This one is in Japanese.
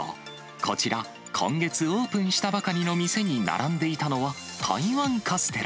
こちら、今月オープンしたばかりの店に並んでいたのは、台湾カステラ。